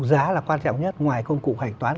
giá là quan trọng nhất ngoài công cụ hạch toán